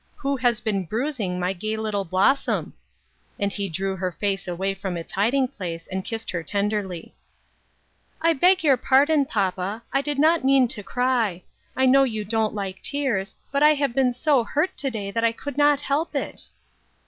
Who has been bruising my gay little blossom?" and he drew her face away from its hiding place, and kissed her tenderly. 52 " FOREWARNED AND " FOREARMED. " I beg your pardon, papa, I did not mean to cry ; I know you don't like tears, but I have been so hurt to day I could not help it."